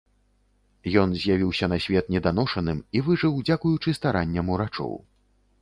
Ён з'явіўся на свет неданошаным і выжыў дзякуючы старанням урачоў.